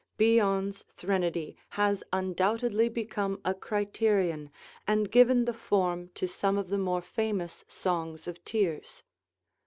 Bion's threnody has undoubtedly become a criterion and given the form to some of the more famous "songs of tears".